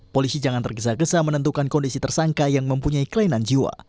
polisi jangan tergesa gesa menentukan kondisi tersangka yang mempunyai kelainan jiwa